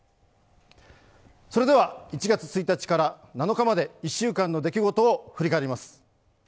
それでは１月１日から７日まで１週間の出来事を振り返ります。